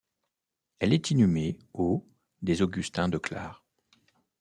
Elle est inhumée au des Augustins de Clare.